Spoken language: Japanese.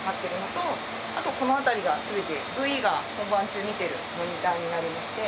あとこの辺りが全てＶＥが本番中見てるモニターになりまして。